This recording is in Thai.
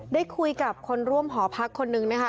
ได้คุยกับคนร่วมหอพักคนนึงนะคะ